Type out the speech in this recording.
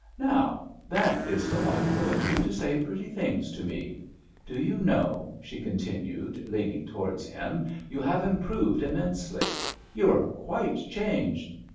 "Now, that is delightful of you to say pretty things to me. Do you know," she continued, leaning towards him, "you have improved immensely—you are quite changed!